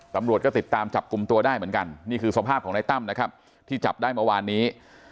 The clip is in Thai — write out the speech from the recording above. ตำรวจก็ติดตามจับกลุ่มตัวได้เหมือนกันนี่คือสภาพของนายตั้มนะครับที่จับได้เมื่อวานนี้